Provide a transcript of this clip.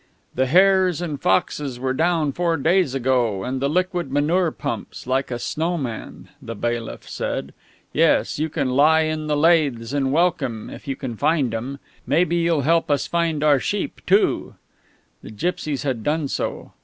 "The hares and foxes were down four days ago, and the liquid manure pumps like a snow man," the bailiff said.... "Yes, you can lie in the laithes and welcome if you can find 'em. Maybe you'll help us find our sheep too " The gipsies had done so.